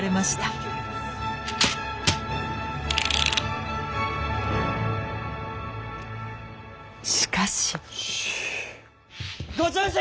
しかし。